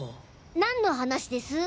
何の話です？